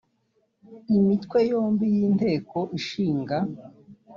imitwe yombi y inteko ishinga